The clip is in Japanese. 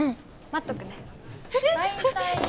待っとくねえっ？